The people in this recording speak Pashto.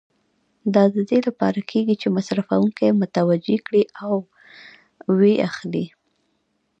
دا د دې لپاره کېږي چې مصرفوونکي متوجه کړي او و یې اخلي.